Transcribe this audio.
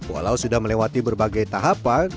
walau sudah melewati berbagai tahapan